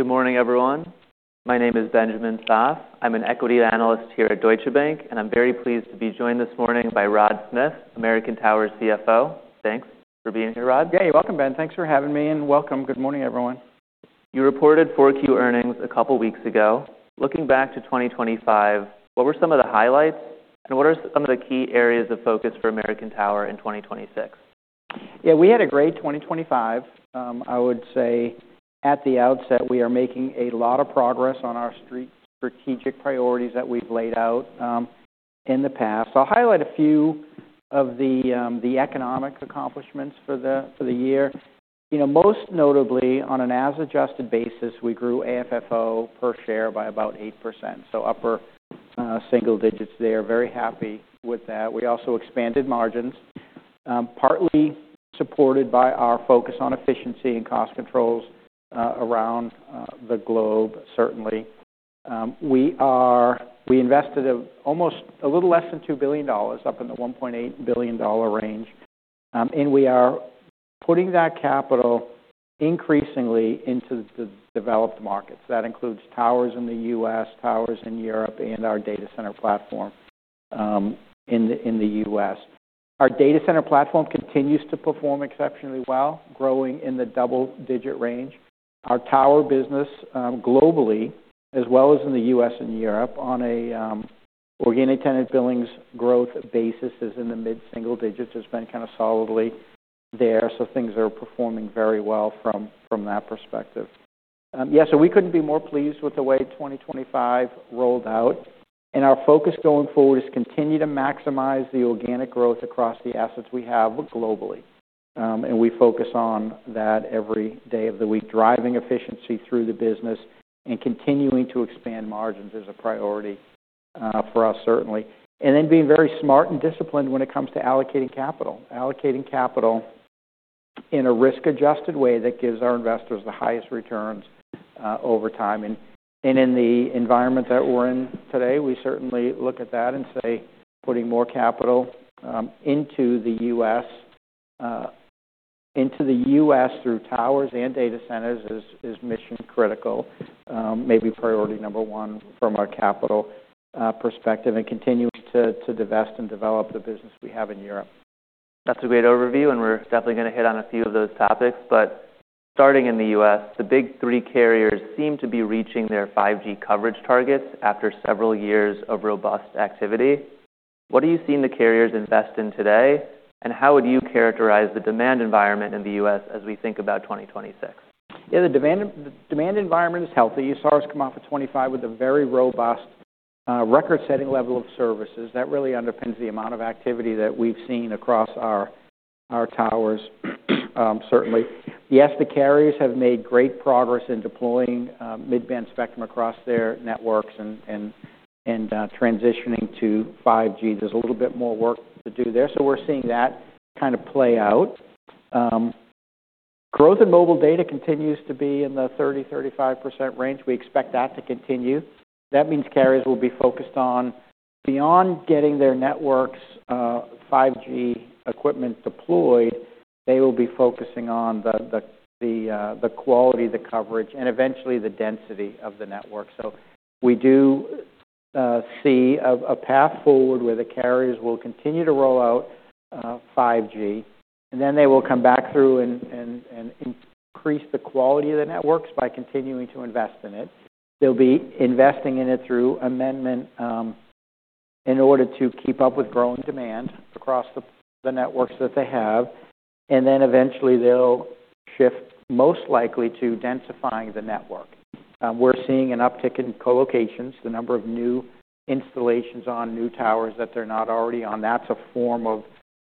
Good morning, everyone. My name is Benjamin Soff. I'm an equity analyst here at Deutsche Bank. I'm very pleased to be joined this morning by Rod Smith, American Tower CFO. Thanks for being here, Rod. Yeah, you're welcome, Ben. Thanks for having me. Welcome. Good morning, everyone. You reported 4Q earnings a couple weeks ago. Looking back to 2025, what were some of the highlights, and what are some of the key areas of focus for American Tower in 2026? Yeah, we had a great 2025. I would say at the outset, we are making a lot of progress on our strategic priorities that we've laid out in the past. I'll highlight a few of the economic accomplishments for the year. You know, most notably, on an as-adjusted basis, we grew AFFO per share by about 8%. Upper single digits there. Very happy with that. We also expanded margins, partly supported by our focus on efficiency and cost controls around the globe, certainly. We invested almost a little less than $2 billion, up in the $1.8 billion range, we are putting that capital increasingly into the developed markets. That includes towers in the U.S., towers in Europe, and our data center platform in the U.S. Our data center platform continues to perform exceptionally well, growing in the double-digit range. Our tower business, globally, as well as in the U.S. and Europe on a organic tenant billings growth basis, is in the mid-single digits. It's been kind of solidly there, so things are performing very well from that perspective. We couldn't be more pleased with the way 2025 rolled out, and our focus going forward is continue to maximize the organic growth across the assets we have globally. We focus on that every day of the week. Driving efficiency through the business and continuing to expand margins is a priority for us, certainly. Being very smart and disciplined when it comes to allocating capital. Allocating capital in a risk-adjusted way that gives our investors the highest returns over time. In the environment that we're in today, we certainly look at that and say, putting more capital, into the U.S., into the U.S. through towers and data centers is mission critical, maybe priority number one from a capital, perspective, and continuing to divest and develop the business we have in Europe. That's a great overview, we're definitely gonna hit on a few of those topics. Starting in the U.S., the big three carriers seem to be reaching their 5G coverage targets after several years of robust activity. What are you seeing the carriers invest in today, and how would you characterize the demand environment in the U.S. as we think about 2026? Yeah, the demand environment is healthy. You saw us come off of 25 with a very robust, record-setting level of services. That really underpins the amount of activity that we've seen across our towers, certainly. Yes, the carriers have made great progress in deploying mid-band spectrum across their networks and transitioning to 5G. There's a little bit more work to do there, we're seeing that kind of play out. Growth in mobile data continues to be in the 30%-35% range. We expect that to continue. That means carriers will be focused on beyond getting their networks, 5G equipment deployed, they will be focusing on the quality, the coverage, and eventually the density of the network. We do see a path forward where the carriers will continue to roll out 5G, and then they will come back through and increase the quality of the networks by continuing to invest in it. They'll be investing in it through amendment in order to keep up with growing demand across the networks that they have. Eventually they'll shift most likely to densifying the network. We're seeing an uptick in co-locations, the number of new installations on new towers that they're not already on. That's a form of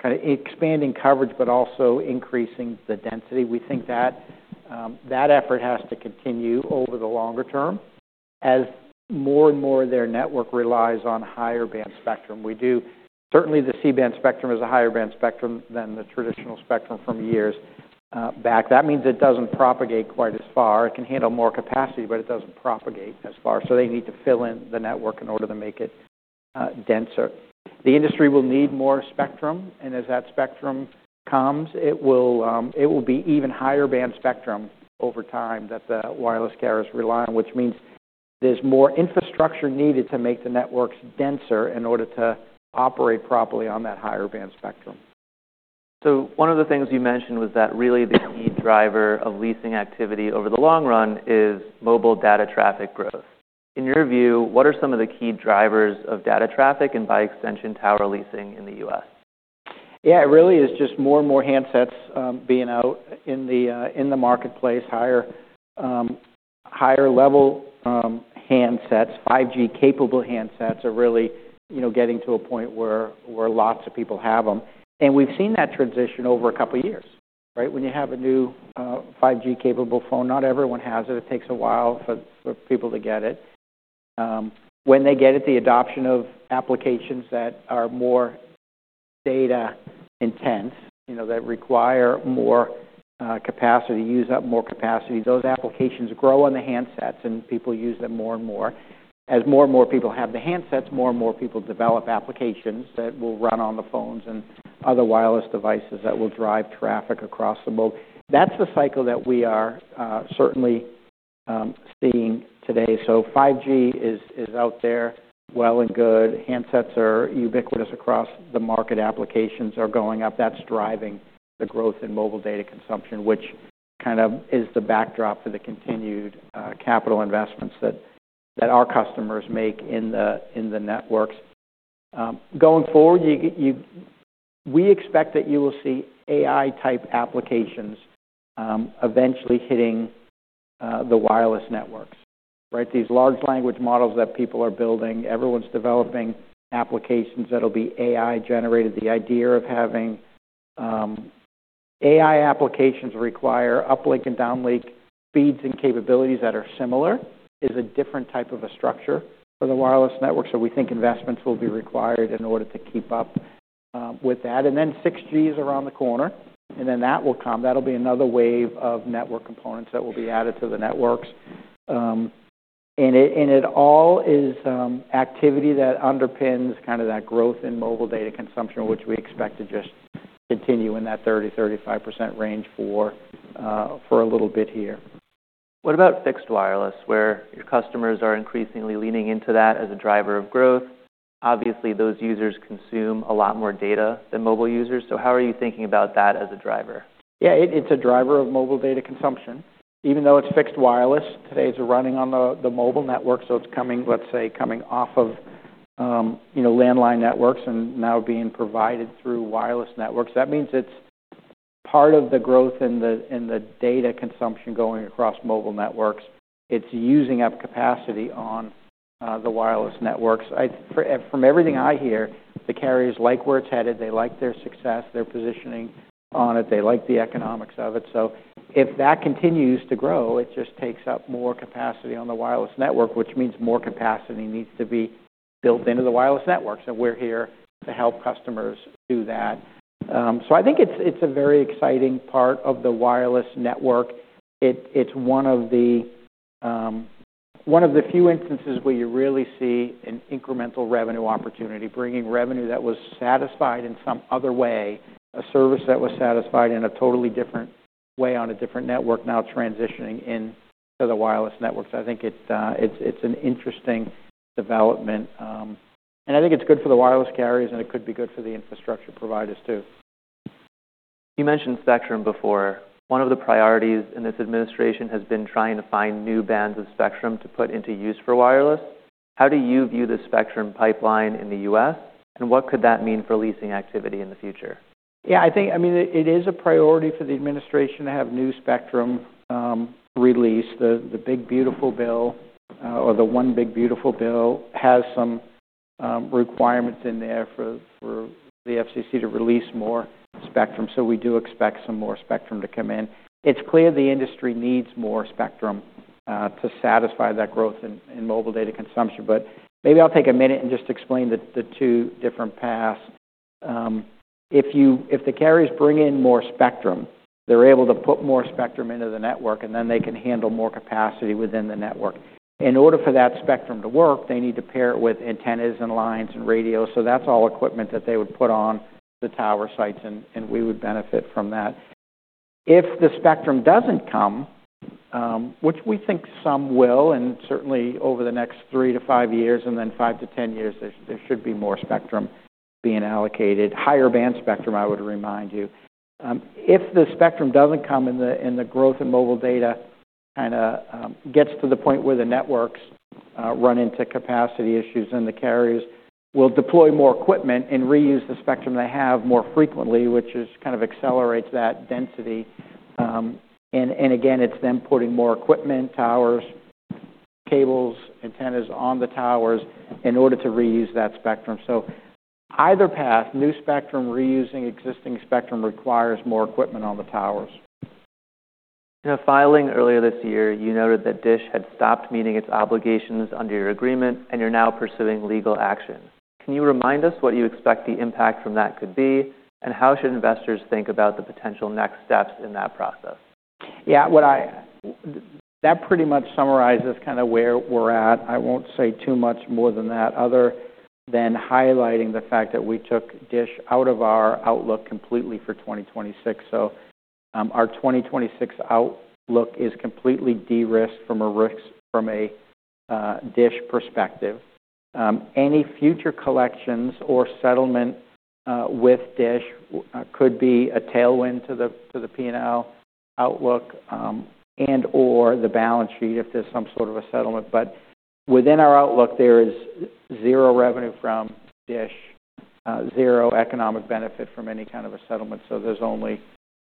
kinda expanding coverage but also increasing the density. We think that that effort has to continue over the longer term as more and more of their network relies on higher band spectrum. Certainly the C-band spectrum is a higher band spectrum than the traditional spectrum from years back. That means it doesn't propagate quite as far. It can handle more capacity, but it doesn't propagate as far, so they need to fill in the network in order to make it denser. The industry will need more spectrum, and as that spectrum comes, it will be even higher band spectrum over time that the wireless carriers rely on, which means there's more infrastructure needed to make the networks denser in order to operate properly on that higher band spectrum. One of the things you mentioned was that really the key driver of leasing activity over the long run is mobile data traffic growth. In your view, what are some of the key drivers of data traffic and by extension, tower leasing in the U.S.? Yeah, it really is just more and more handsets being out in the marketplace. Higher, higher level handsets, 5G-capable handsets are really, you know, getting to a point where lots of people have them. We've seen that transition over a couple years, right? When you have a new 5G-capable phone, not everyone has it. It takes a while for people to get it. When they get it, the adoption of applications that are more data intense, you know, that require more capacity, use up more capacity, those applications grow on the handsets, and people use them more and more. As more and more people have the handsets, more and more people develop applications that will run on the phones and other wireless devices that will drive traffic across the globe. That's the cycle that we are certainly seeing today. 5G is out there well and good. Handsets are ubiquitous across the market. Applications are going up. That's driving the growth in mobile data consumption, which kind of is the backdrop for the continued capital investments that our customers make in the networks. Going forward, we expect that you will see AI-type applications eventually hitting the wireless networks, right? These large language models that people are building, everyone's developing applications that'll be AI-generated. The idea of having AI applications require uplink and downlink speeds and capabilities that are similar, is a different type of a structure for the wireless network. We think investments will be required in order to keep up with that. 6G is around the corner, and then that will come. That'll be another wave of network components that will be added to the networks. It all is activity that underpins kind of that growth in mobile data consumption, which we expect to just continue in that 30%-35% range for a little bit here. What about fixed wireless, where your customers are increasingly leaning into that as a driver of growth? Obviously, those users consume a lot more data than mobile users. How are you thinking about that as a driver? Yeah. It's a driver of mobile data consumption. Even though it's fixed wireless, today it's running on the mobile network, so it's coming, let's say, coming off of, you know, landline networks and now being provided through wireless networks. That means it's part of the growth in the data consumption going across mobile networks. It's using up capacity on the wireless networks. From everything I hear, the carriers like where it's headed. They like their success, their positioning on it. They like the economics of it. If that continues to grow, it just takes up more capacity on the wireless network, which means more capacity needs to be built into the wireless network. We're here to help customers do that. I think it's a very exciting part of the wireless network. It's one of the few instances where you really see an incremental revenue opportunity, bringing revenue that was satisfied in some other way, a service that was satisfied in a totally different way on a different network now transitioning into the wireless networks. I think it's an interesting development. I think it's good for the wireless carriers, and it could be good for the infrastructure providers too. You mentioned spectrum before. One of the priorities in this administration has been trying to find new bands of spectrum to put into use for wireless. How do you view the spectrum pipeline in the U.S., and what could that mean for leasing activity in the future? I mean, it is a priority for the administration to have new spectrum released. The One, Big, Beautiful Bill has some requirements in there for the FCC to release more spectrum. We do expect some more spectrum to come in. It's clear the industry needs more spectrum to satisfy that growth in mobile data consumption. Maybe I'll take a minute and just explain the two different paths. If the carriers bring in more spectrum, they're able to put more spectrum into the network, and then they can handle more capacity within the network. In order for that spectrum to work, they need to pair it with antennas and lines and radios. That's all equipment that they would put on the tower sites, and we would benefit from that. If the spectrum doesn't come, which we think some will, and certainly over the next three to five years and then five to 10 years, there should be more spectrum being allocated. Higher band spectrum, I would remind you. If the spectrum doesn't come and the growth in mobile data kinda gets to the point where the networks run into capacity issues, then the carriers will deploy more equipment and reuse the spectrum they have more frequently, which kind of accelerates that density. Again, it's them putting more equipment, towers, cables, antennas on the towers in order to reuse that spectrum. Either path, new spectrum, reusing existing spectrum, requires more equipment on the towers. In a filing earlier this year, you noted that Dish had stopped meeting its obligations under your agreement, and you're now pursuing legal action. Can you remind us what you expect the impact from that could be? How should investors think about the potential next steps in that process? That pretty much summarizes kinda where we're at. I won't say too much more than that other than highlighting the fact that we took Dish out of our outlook completely for 2026. Our 2026 outlook is completely de-risked from a Dish perspective. Any future collections or settlement with Dish could be a tailwind to the P&L outlook and/or the balance sheet if there's some sort of a settlement. Within our outlook, there is zero revenue from Dish, zero economic benefit from any kind of a settlement. There's only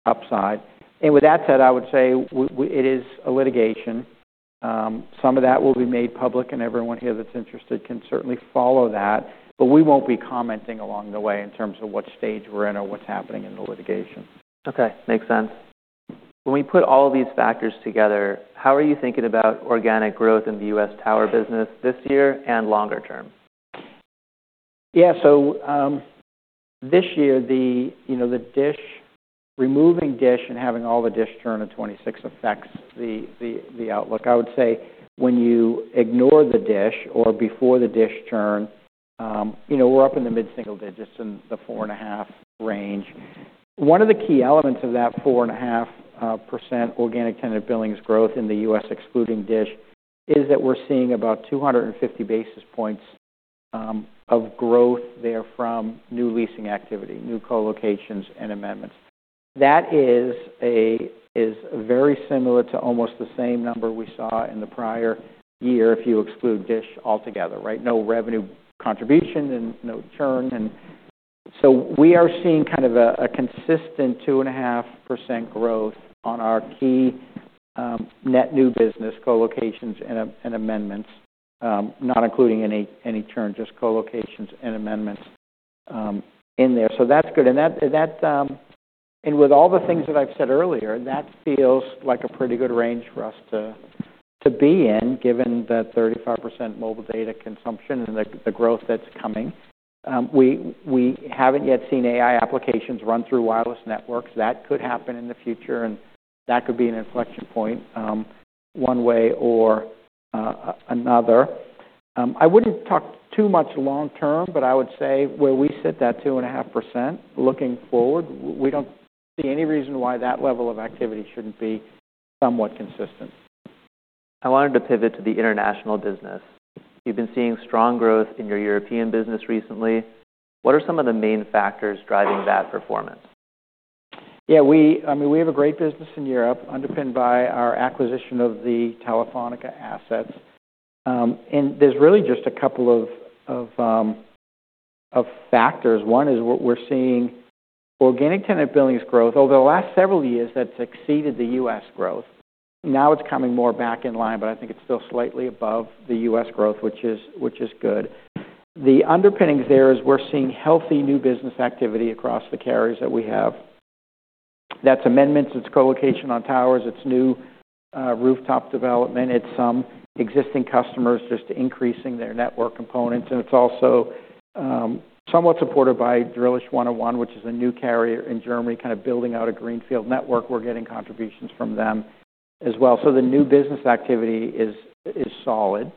upside. With that said, I would say it is a litigation. Some of that will be made public, and everyone here that's interested can certainly follow that. We won't be commenting along the way in terms of what stage we're in or what's happening in the litigation. Okay. Makes sense. When we put all of these factors together, how are you thinking about organic growth in the U.S. tower business this year and longer term? Yeah. This year, you know, the removing Dish and having all the Dish turn in 2026 affects the outlook. I would say when you ignore the Dish or before the Dish turn, you know, we're up in the mid-single digits in the 4.5% range. One of the key elements of that 4.5% organic tenant billings growth in the U.S. excluding Dish is that we're seeing about 250 basis points of growth there from new leasing activity, new co-locations and amendments. That is very similar to almost the same number we saw in the prior year if you exclude Dish altogether, right? No revenue contribution and no churn. We are seeing kind of a consistent 2.5% growth on our key net new business co-locations and amendments, not including any churn, just co-locations and amendments in there. That's good. That, with all the things that I've said earlier, that feels like a pretty good range for us to be in given the 35% mobile data consumption and the growth that's coming. We haven't yet seen AI applications run through wireless networks. That could happen in the future, and that could be an inflection point, one way or another. I wouldn't talk too much long term, but I would say where we sit, that 2.5% looking forward, we don't see any reason why that level of activity shouldn't be somewhat consistent. I wanted to pivot to the international business. You've been seeing strong growth in your European business recently. What are some of the main factors driving that performance? Yeah, I mean, we have a great business in Europe underpinned by our acquisition of the Telefónica assets. There's really just a couple of factors. One is what we're seeing organic tenant billings growth. Over the last several years, that's exceeded the U.S. growth. Now it's coming more back in line, but I think it's still slightly above the U.S. growth, which is good. The underpinning there is we're seeing healthy new business activity across the carriers that we have. That's amendments, it's co-location on towers, it's new rooftop development, it's some existing customers just increasing their network components, and it's also somewhat supported by 1&1 Drillisch, which is a new carrier in Germany, kind of building out a greenfield network. We're getting contributions from them as well. The new business activity is solid.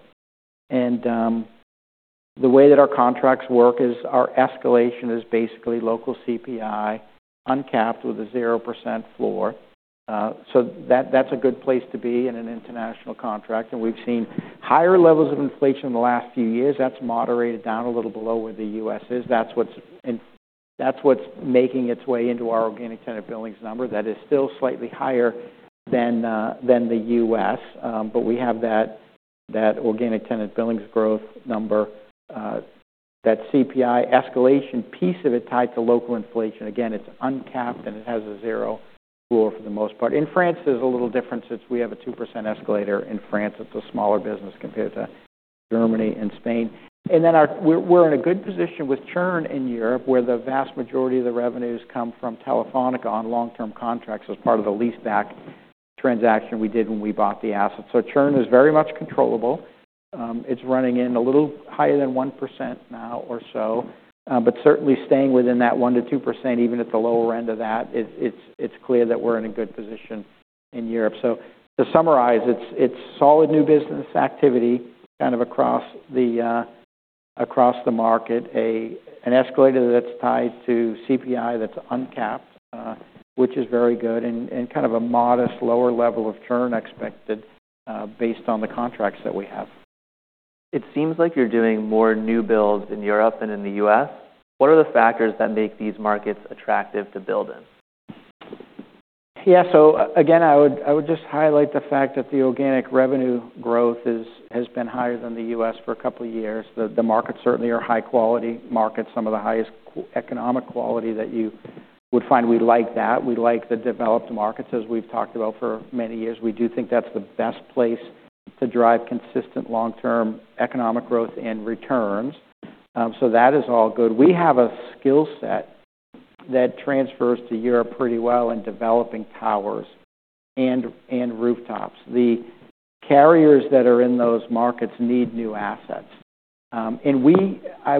The way that our contracts work is our escalation is basically local CPI uncapped with a 0% floor. That's a good place to be in an international contract, and we've seen higher levels of inflation in the last few years. That's moderated down a little below where the U.S. is. That's what's making its way into our organic tenant billings number that is still slightly higher than the U.S. We have that organic tenant billings growth number, that CPI escalation piece of it tied to local inflation. Again, it's uncapped, and it has a zero floor for the most part. In France, there's a little difference since we have a 2% escalator in France. It's a smaller business compared to Germany and Spain. Our, we're in a good position with churn in Europe, where the vast majority of the revenues come from Telefónica on long-term contracts as part of the leaseback transaction we did when we bought the assets. Churn is very much controllable. It's running in a little higher than 1% now or so. Certainly staying within that 1%-2%, even at the lower end of that, it's clear that we're in a good position in Europe. To summarize, it's solid new business activity kind of across the market. An escalator that's tied to CPI that's uncapped, which is very good, and kind of a modest lower level of churn expected, based on the contracts that we have. It seems like you're doing more new builds in Europe than in the U.S. What are the factors that make these markets attractive to build in? Again, I would just highlight the fact that the organic revenue growth has been higher than the U.S. for two years. The markets certainly are high-quality markets, some of the highest economic quality that you would find. We like that. We like the developed markets, as we've talked about for many years. We do think that's the best place to drive consistent long-term economic growth and returns. That is all good. We have a skill set that transfers to Europe pretty well in developing towers and rooftops. The carriers that are in those markets need new assets. I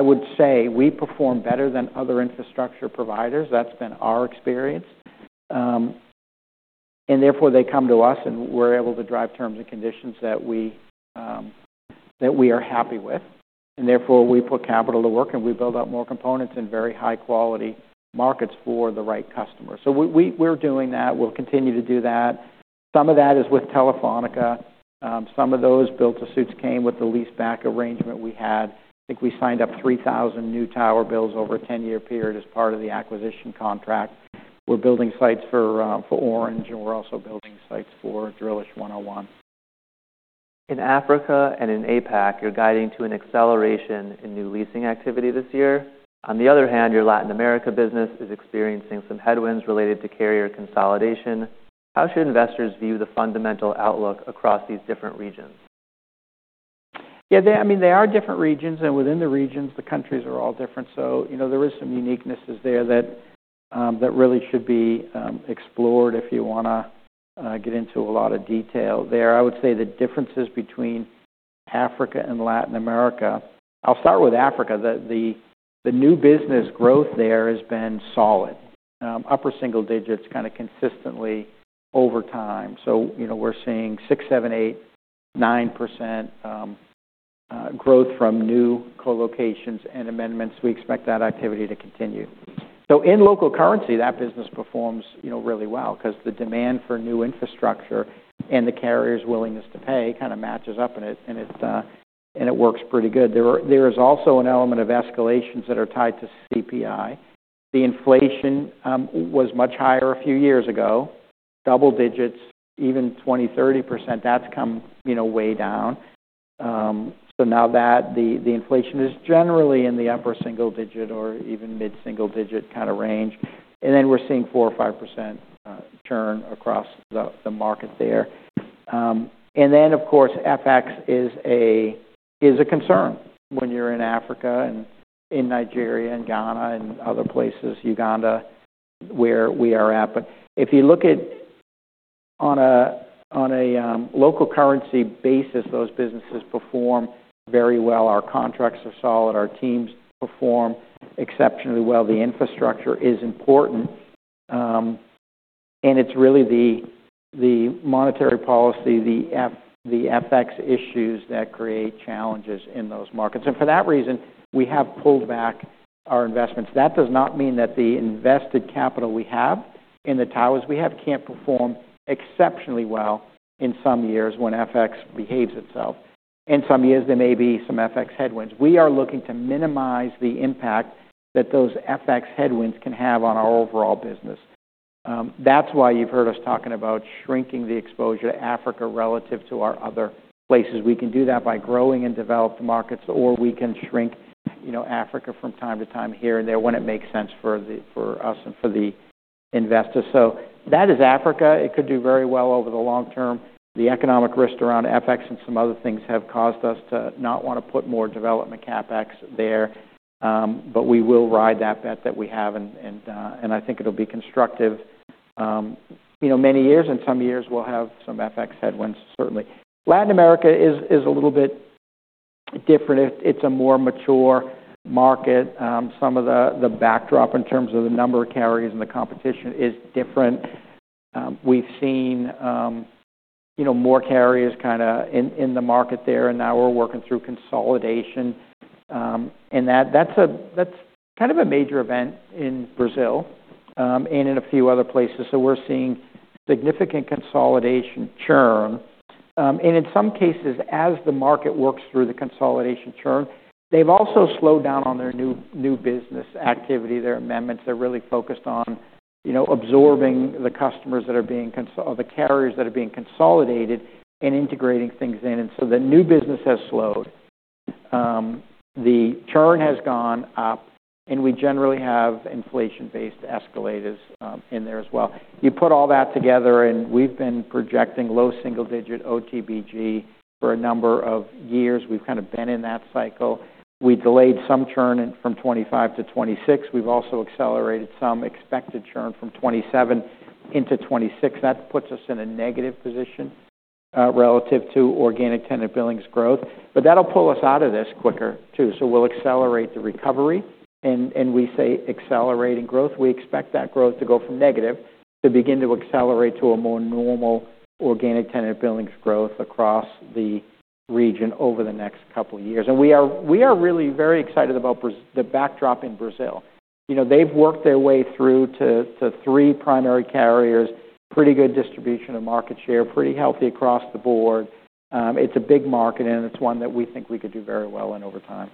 would say we perform better than other infrastructure providers. That's been our experience. Therefore, they come to us, and we're able to drive terms and conditions that we are happy with. Therefore, we put capital to work, and we build out more components in very high-quality markets for the right customer. We're doing that. We'll continue to do that. Some of that is with Telefónica. Some of those built-to-suits came with the leaseback arrangement we had. I think we signed up 3,000 new tower builds over a 10-year period as part of the acquisition contract. We're building sites for Orange, and we're also building sites for 1&1 Drillisch. In Africa and in APAC, you're guiding to an acceleration in new leasing activity this year. On the other hand, your Latin America business is experiencing some headwinds related to carrier consolidation. How should investors view the fundamental outlook across these different regions? Yeah, I mean, they are different regions. Within the regions, the countries are all different. You know, there is some uniquenesses there that really should be explored if you wanna get into a lot of detail there. I would say the differences between Africa and Latin America. I'll start with Africa. The new business growth there has been solid. Upper single digits kinda consistently over time. You know, we're seeing 6%, 7%, 8%, 9% growth from new co-locations and amendments. We expect that activity to continue. In local currency, that business performs, you know, really well 'cause the demand for new infrastructure and the carrier's willingness to pay kind of matches up, and it works pretty good. There is also an element of escalations that are tied to CPI. The inflation was much higher a few years ago, double digits, even 20%, 30%. That's come, you know, way down. Now that the inflation is generally in the upper single-digit or even mid-single-digit kinda range, then we're seeing 4% or 5% churn across the market there. Of course, FX is a concern when you're in Africa and in Nigeria and Ghana and other places, Uganda, where we are at. If you look at on a local currency basis, those businesses perform very well. Our contracts are solid. Our teams perform exceptionally well. The infrastructure is important, and it's really the monetary policy, the FX issues that create challenges in those markets. For that reason, we have pulled back our investments. That does not mean that the invested capital we have in the towers we have can't perform exceptionally well in some years when FX behaves itself. In some years, there may be some FX headwinds. We are looking to minimize the impact that those FX headwinds can have on our overall business. That's why you've heard us talking about shrinking the exposure to Africa relative to our other places. We can do that by growing in developed markets, or we can shrink, you know, Africa from time to time here and there when it makes sense for us and for the investors. That is Africa. It could do very well over the long term. The economic risk around FX and some other things have caused us to not wanna put more development CapEx there, but we will ride that bet that we have, and I think it'll be constructive, you know, many years, and some years we'll have some FX headwinds certainly. Latin America is a little bit different. It's a more mature market. Some of the backdrop in terms of the number of carriers and the competition is different. We've seen, you know, more carriers kinda in the market there, and now we're working through consolidation. That's a, that's kind of a major event in Brazil, and in a few other places. We're seeing significant consolidation churn, and in some cases, as the market works through the consolidation churn, they've also slowed down on their new business activity, their amendments. They're really focused on, you know, absorbing the customers that are being or the carriers that are being consolidated and integrating things in. The new business has slowed. The churn has gone up, and we generally have inflation-based escalators in there as well. You put all that together, and we've been projecting low single-digit OTBG for a number of years. We've kind of been in that cycle. We delayed some churn in from 2025 to 2026. We've also accelerated some expected churn from 2027 into 2026. That puts us in a negative position relative to organic tenant billings growth. That'll pull us out of this quicker too. We'll accelerate the recovery, and we say accelerating growth. We expect that growth to go from negative to begin to accelerate to a more normal organic tenant billings growth across the region over the next couple years. We are really very excited about the backdrop in Brazil. You know, they've worked their way through to three primary carriers, pretty good distribution of market share, pretty healthy across the board. It's a big market, and it's one that we think we could do very well in over time.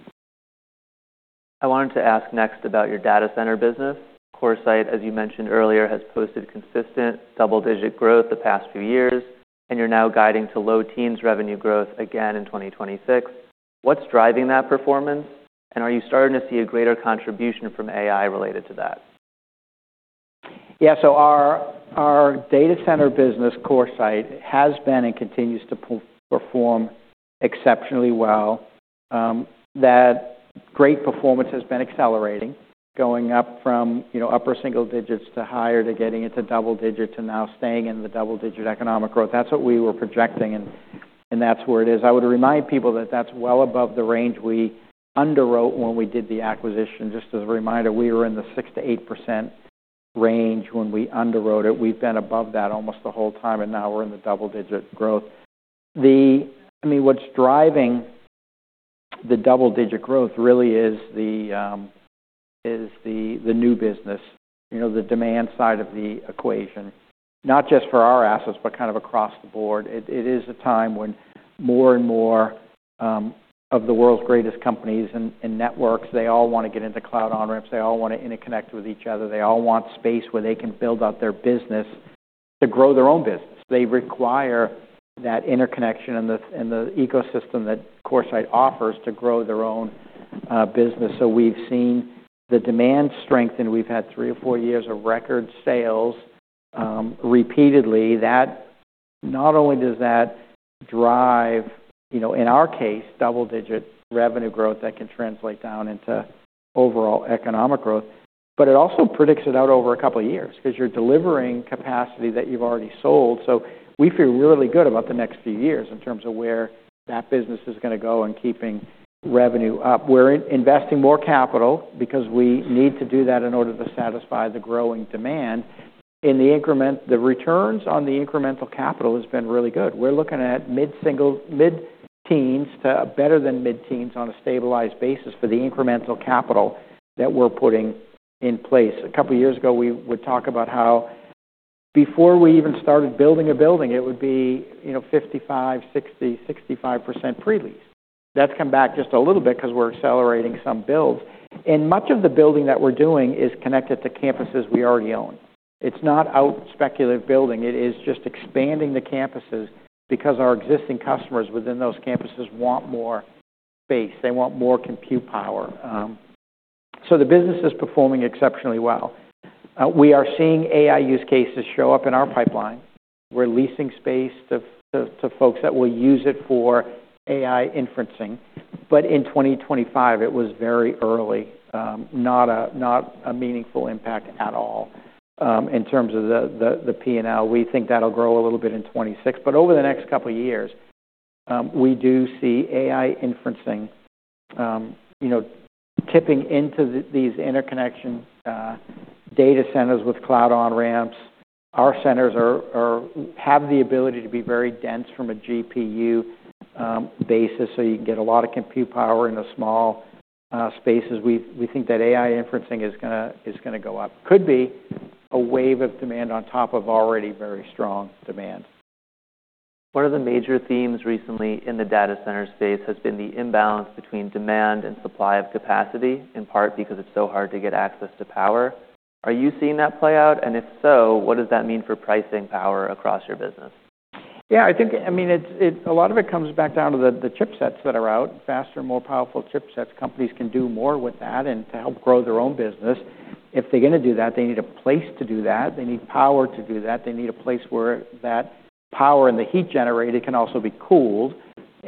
I wanted to ask next about your data center business. CoreSite, as you mentioned earlier, has posted consistent double-digit growth the past few years. You're now guiding to low teens revenue growth again in 2026. What's driving that performance? Are you starting to see a greater contribution from AI related to that? Yeah. Our data center business, CoreSite, has been and continues to perform exceptionally well. That great performance has been accelerating, going up from, you know, upper single digits to higher, to getting into double digits, and now staying in the double-digit economic growth. That's what we were projecting, and that's where it is. I would remind people that that's well above the range we underwrote when we did the acquisition. Just as a reminder, we were in the 6%-8% range when we underwrote it. We've been above that almost the whole time, and now we're in the double-digit growth. I mean, what's driving the double-digit growth really is the new business. You know, the demand side of the equation, not just for our assets, but kind of across the board. It is a time when more and more of the world's greatest companies and networks, they all wanna get into cloud on-ramps. They all wanna interconnect with each other. They all want space where they can build out their business to grow their own business. They require that interconnection and the ecosystem that CoreSite offers to grow their own business. We've seen the demand strengthen. We've had three or four years of record sales repeatedly. Not only does that drive, you know, in our case, double-digit revenue growth that can translate down into overall economic growth, but it also predicts it out over a couple years 'cause you're delivering capacity that you've already sold. We feel really good about the next few years in terms of where that business is gonna go and keeping-Revenue up. We're investing more capital because we need to do that in order to satisfy the growing demand. The returns on the incremental capital has been really good. We're looking at mid-teens to better than mid-teens on a stabilized basis for the incremental capital that we're putting in place. Two years ago, we would talk about how before we even started building a building, it would be, you know, 55%, 60%, 65% pre-lease. That's come back just a little bit because we're accelerating some builds. Much of the building that we're doing is connected to campuses we already own. It's not out speculative building. It is just expanding the campuses because our existing customers within those campuses want more space. They want more compute power. The business is performing exceptionally well. We are seeing AI use cases show up in our pipeline. We're leasing space to folks that will use it for AI inferencing. In 2025, it was very early, not a meaningful impact at all. In terms of the P&L, we think that'll grow a little bit in 2026. Over the next couple of years, we do see AI inferencing, you know, tipping into these interconnection data centers with cloud on-ramps. Our centers have the ability to be very dense from a GPU basis, so you can get a lot of compute power into small spaces. We think that AI inferencing is gonna go up. Could be a wave of demand on top of already very strong demand. One of the major themes recently in the data center space has been the imbalance between demand and supply of capacity, in part because it's so hard to get access to power. Are you seeing that play out? If so, what does that mean for pricing power across your business? Yeah, I think, I mean, a lot of it comes back down to the chipsets that are out, faster, more powerful chipsets. Companies can do more with that and to help grow their own business. If they're gonna do that, they need a place to do that. They need power to do that. They need a place where that power and the heat generated can also be cooled.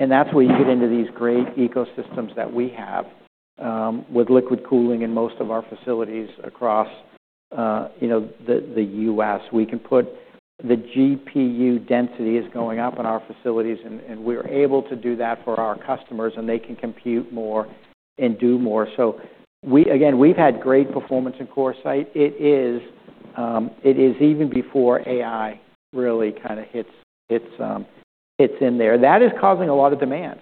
That's where you get into these great ecosystems that we have with liquid cooling in most of our facilities across, you know, the U.S. We can put the GPU density is going up in our facilities, and we're able to do that for our customers, and they can compute more and do more. Again, we've had great performance in CoreSite. It is even before AI really kind of hits in there. That is causing a lot of demand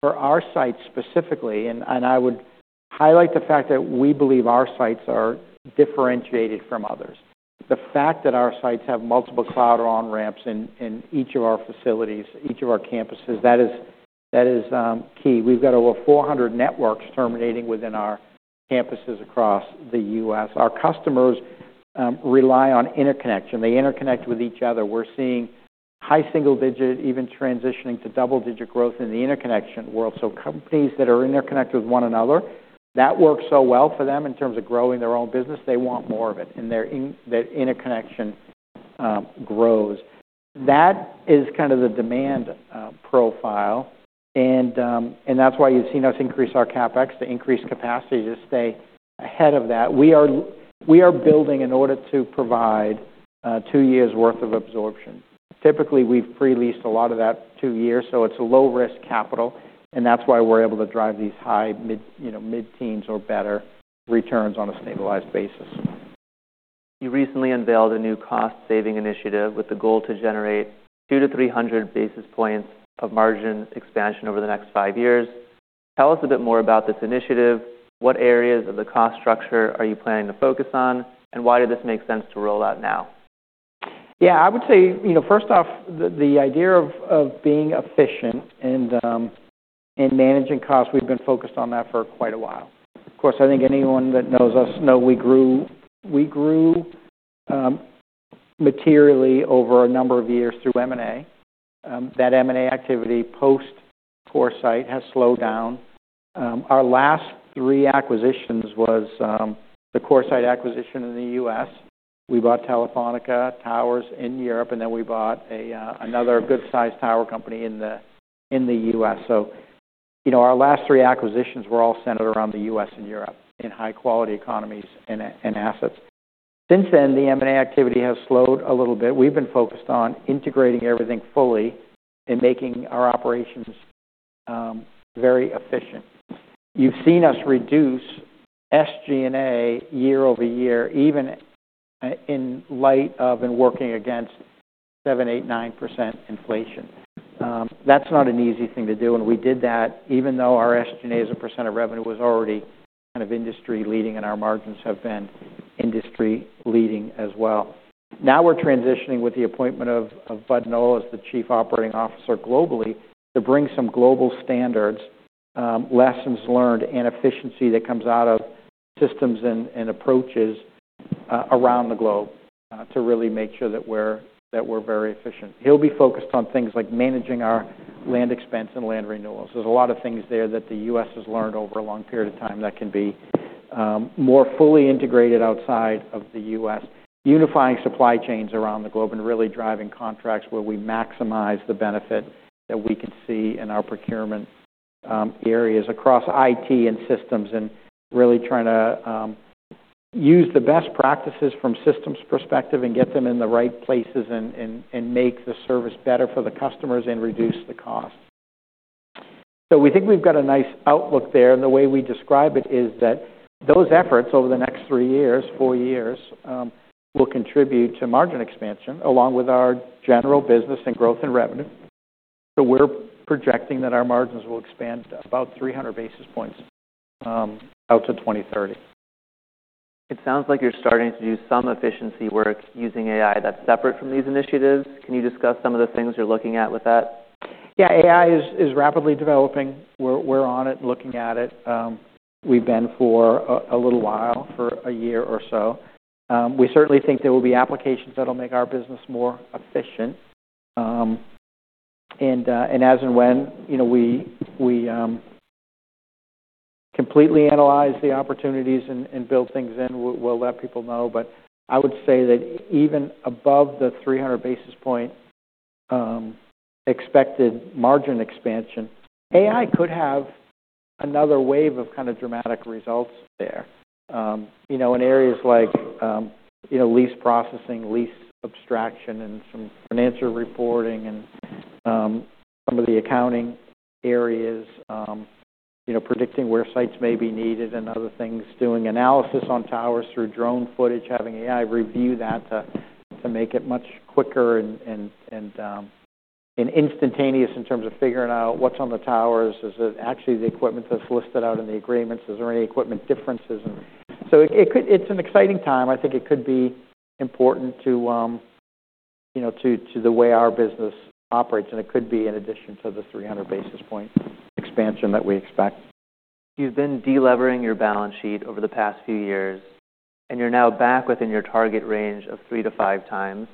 for our sites specifically. I would highlight the fact that we believe our sites are differentiated from others. The fact that our sites have multiple cloud on-ramps in each of our facilities, each of our campuses, that is key. We've got over 400 networks terminating within our campuses across the U.S. Our customers rely on interconnection. They interconnect with each other. We're seeing high single-digit, even transitioning to double-digit growth in the interconnection world. Companies that are interconnected with one another, that works so well for them in terms of growing their own business, they want more of it, and their that interconnection grows. That is kind of the demand profile. That's why you've seen us increase our CapEx to increase capacity to stay ahead of that. We are building in order to provide two years worth of absorption. Typically, we've pre-leased a lot of that two years, so it's low risk capital. That's why we're able to drive these high mid, you know, mid-teens or better returns on a stabilized basis. You recently unveiled a new cost-saving initiative with the goal to generate 200-300 basis points of margin expansion over the next five years. Tell us a bit more about this initiative. What areas of the cost structure are you planning to focus on, and why did this make sense to roll out now? Yeah. I would say, you know, first off, the idea of being efficient and managing costs, we've been focused on that for quite a while. Of course, I think anyone that knows us know we grew materially over a number of years through M&A. That M&A activity post CoreSite has slowed down. Our last three acquisitions was the CoreSite acquisition in the U.S. We bought Telefónica, towers in Europe, and then we bought another good-sized tower company in the U.S. You know, our last three acquisitions were all centered around the U.S. and Europe in high-quality economies and assets. Since then, the M&A activity has slowed a little bit. We've been focused on integrating everything fully and making our operations very efficient. You've seen us reduce SG&A year-over-year, even in light of and working against 7%, 8%, 9% inflation. That's not an easy thing to do, and we did that even though our SG&A as a percent of revenue was already kind of industry-leading, and our margins have been industry-leading as well. Now we're transitioning with the appointment of Bud Noel as the chief operating officer globally to bring some global standards, lessons learned, and efficiency that comes out of systems and approaches around the globe to really make sure that we're very efficient. He'll be focused on things like managing our land expense and land renewals. There's a lot of things there that the U.S. has learned over a long period of time that can be more fully integrated outside of the U.S., unifying supply chains around the globe and really driving contracts where we maximize the benefit that we could see in our procurement areas across IT and systems and really trying to use the best practices from systems perspective and get them in the right places and make the service better for the customers and reduce the cost. We think we've got a nice outlook there, and the way we describe it is that those efforts over the next three years, four years, will contribute to margin expansion, along with our general business and growth in revenue. We're projecting that our margins will expand about 300 basis points out to 2030. It sounds like you're starting to do some efficiency work using AI that's separate from these initiatives. Can you discuss some of the things you're looking at with that? Yeah. AI is rapidly developing. We're on it, looking at it. We've been for a little while, for a year or so. We certainly think there will be applications that'll make our business more efficient. As and when, you know, we completely analyze the opportunities and build things in, we'll let people know. I would say that even above the 300 basis points, expected margin expansion, AI could have another wave of kind of dramatic results there, you know, in areas like, you know, lease processing, lease abstraction, and some financial reporting and, some of the accounting areas, you know, predicting where sites may be needed and other things, doing analysis on towers through drone footage, having AI review that to make it much quicker and instantaneous in terms of figuring out what's on the towers. Is it actually the equipment that's listed out in the agreements? Is there any equipment differences? It's an exciting time. I think it could be important to, you know, to the way our business operates, and it could be in addition to the 300 basis point expansion that we expect. You've been de-levering your balance sheet over the past few years, and you're now back within your target range of 3x-5x.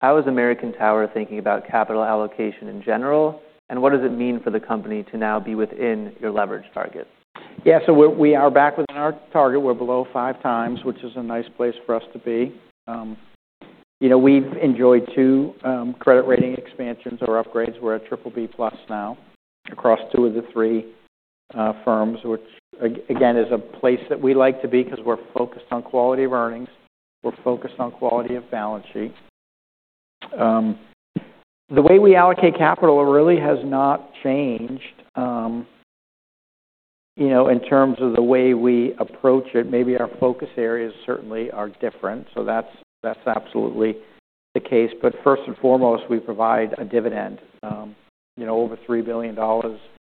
How is American Tower thinking about capital allocation in general, and what does it mean for the company to now be within your leverage targets? Yeah. We are back within our target. We are below 5x, which is a nice place for us to be. You know, we have enjoyed two credit rating expansions or upgrades. We are at BBB+ now across two of the three firms, which again, is a place that we like to be because we are focused on quality of earnings, we are focused on quality of balance sheets. The way we allocate capital really has not changed, you know, in terms of the way we approach it. Maybe our focus areas certainly are different, that is absolutely the case. First and foremost, we provide a dividend, you know, over $3 billion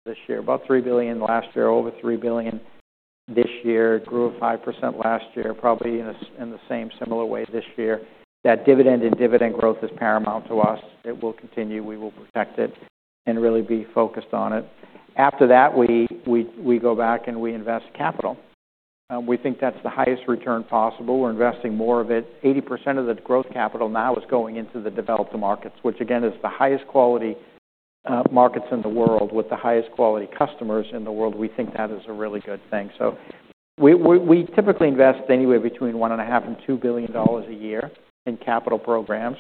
this year. About $3 billion last year, over $3 billion this year. Grew 5% last year, probably in the same similar way this year. That dividend and dividend growth is paramount to us. It will continue, we will protect it and really be focused on it. After that, we go back and we invest capital. We think that's the highest return possible. We're investing more of it. 80% of the growth capital now is going into the developed markets, which again, is the highest quality markets in the world with the highest quality customers in the world. We think that is a really good thing. We typically invest anywhere between $1.5 billion-$2 billion a year in capital programs.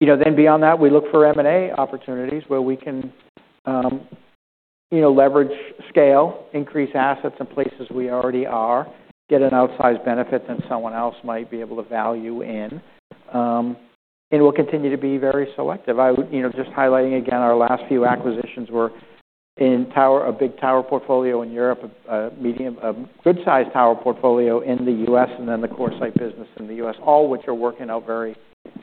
You know, then beyond that, we look for M&A opportunities where we can, you know, leverage scale, increase assets in places we already are, get an outsized benefit that someone else might be able to value in. We'll continue to be very selective. You know, just highlighting again, our last few acquisitions were in tower, a big tower portfolio in Europe, a medium, a good-sized tower portfolio in the U.S., and then the CoreSite business in the U.S., all which are working out very,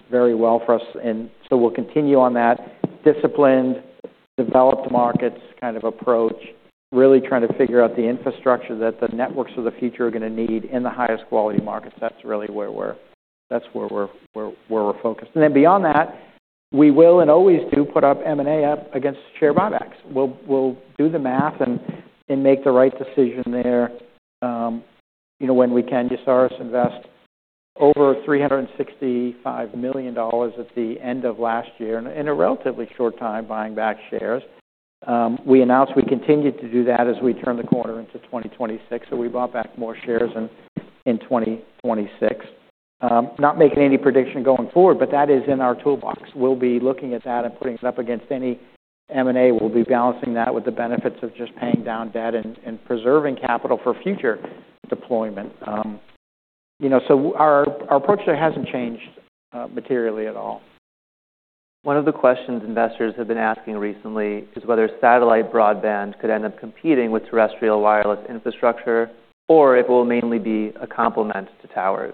very well for us. We'll continue on that disciplined, developed markets kind of approach, really trying to figure out the infrastructure that the networks of the future are gonna need in the highest quality markets. That's really where we're focused. Beyond that, we will, and always do, put up M&A up against share buybacks. We'll do the math and make the right decision there, you know, when we can. You saw us invest over $365 million at the end of last year in a relatively short time buying back shares. We announced we continued to do that as we turned the corner into 2026, so we bought back more shares in 2026. Not making any prediction going forward, but that is in our toolbox. We'll be looking at that and putting it up against any M&A. We'll be balancing that with the benefits of just paying down debt and preserving capital for future deployment. You know, our approach there hasn't changed materially at all. One of the questions investors have been asking recently is whether satellite broadband could end up competing with terrestrial wireless infrastructure or it will mainly be a complement to towers.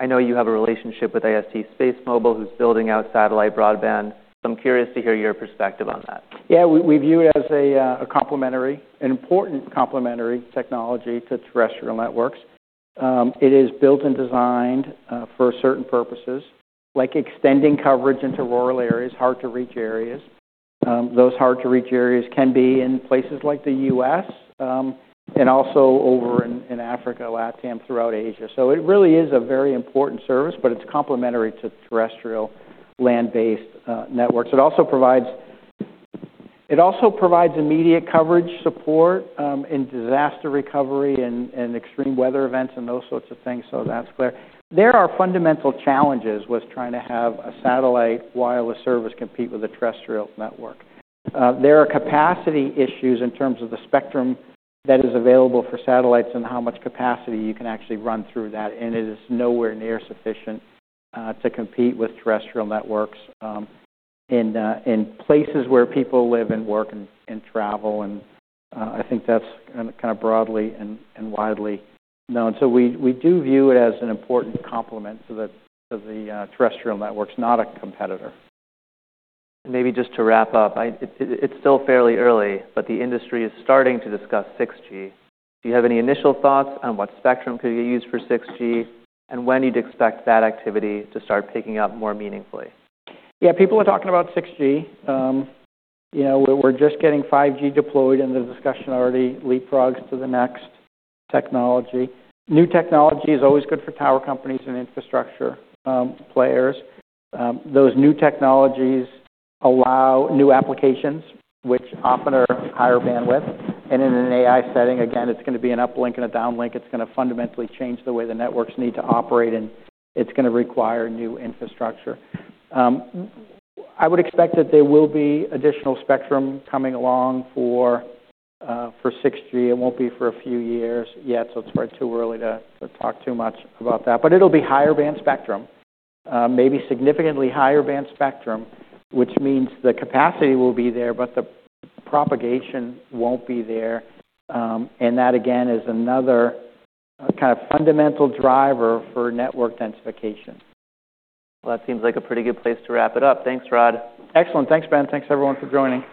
I know you have a relationship with AST SpaceMobile who's building out satellite broadband. I'm curious to hear your perspective on that. Yeah. We view it as a complementary, an important complementary technology to terrestrial networks. It is built and designed for certain purposes, like extending coverage into rural areas, hard to reach areas. Those hard to reach areas can be in places like the U.S. and also over in Africa, LATAM, throughout Asia. It really is a very important service, but it's complementary to terrestrial land-based networks. It also provides immediate coverage support in disaster recovery and extreme weather events and those sorts of things. That's clear. There are fundamental challenges with trying to have a satellite wireless service compete with a terrestrial network. There are capacity issues in terms of the spectrum that is available for satellites and how much capacity you can actually run through that, and it is nowhere near sufficient to compete with terrestrial networks in places where people live and work and travel. I think that's kind of broadly and widely known. We do view it as an important complement to the terrestrial networks, not a competitor. Maybe just to wrap up. It's still fairly early, the industry is starting to discuss 6G. Do you have any initial thoughts on what spectrum could you use for 6G, and when you'd expect that activity to start picking up more meaningfully? Yeah. People are talking about 6G. you know, we're just getting 5G deployed and the discussion already leapfrogs to the next technology. New technology is always good for tower companies and infrastructure players. Those new technologies allow new applications which often are higher bandwidth. In an AI setting, again, it's gonna be an uplink and a downlink. It's gonna fundamentally change the way the networks need to operate, and it's gonna require new infrastructure. I would expect that there will be additional spectrum coming along for 6G. It won't be for a few years yet, so it's probably too early to talk too much about that. It'll be higher band spectrum, maybe significantly higher band spectrum, which means the capacity will be there, but the propagation won't be there. That again is another kind of fundamental driver for network densification. Well, that seems like a pretty good place to wrap it up. Thanks, Rod. Excellent. Thanks, Ben. Thanks everyone for joining.